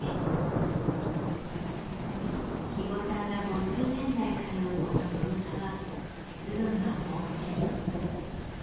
肥後さんが５０年来通うこの泥田は鉄分が豊富です。